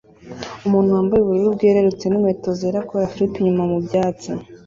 Umuntu wambaye ubururu bwerurutse n'inkweto zera akora flip inyuma mubyatsi